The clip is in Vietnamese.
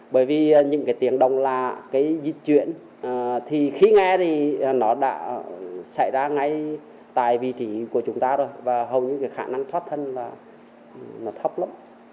bởi vì những cái tiếng đồng là cái di chuyển thì khi nghe thì nó đã xảy ra ngay tại vị trí của chúng ta rồi và hầu như cái khả năng thoát thân là nó thấp lắm